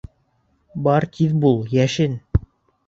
Бар тиҙ бул, йәшен!